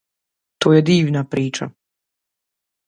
To je divna priča.